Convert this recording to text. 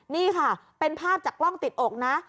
นี่ค่ะเป็นภาพจากกล้องติดอกนะ